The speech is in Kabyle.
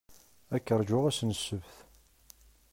Ad k-ṛjuɣ ass n ssebt.